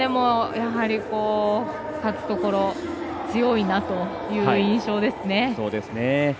やはり勝つところ強いなという印象ですね。